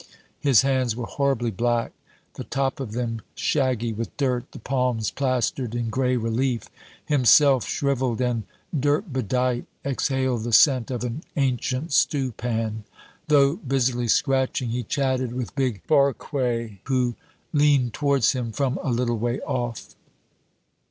His hands were horribly black, the top of them shaggy with dirt, the palms plastered in gray relief. Himself, shriveled and dirtbedight, exhaled the scent of an ancient stewpan. Though busily scratching, he chatted with big Barque, who leaned towards him from a little way off.